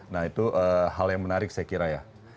nah itu hal yang menarik saya kira ya